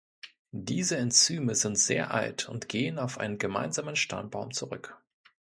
Diese Enzyme sind sehr alt und gehen auf einen gemeinsam Stammbaum zurück.